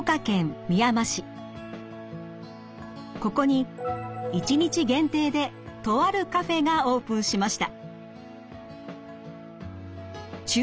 ここに１日限定でとあるカフェがオープンしました。